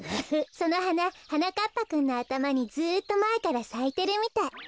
そのはなはなかっぱくんのあたまにずっとまえからさいてるみたい。